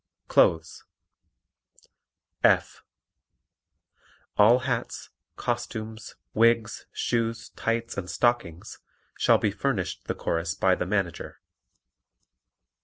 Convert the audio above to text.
Clothes F. All hats, costumes, wigs, shoes, tights and stockings shall be furnished the Chorus by the Manager.